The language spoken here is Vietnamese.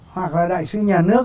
hoặc là đại sứ nhà nước